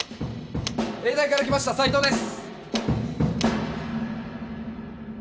永大から来ました斉藤です